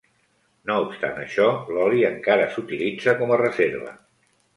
No obstant això, l'oli encara s'utilitza com a reserva.